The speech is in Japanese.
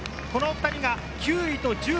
この２人が９位と１０位。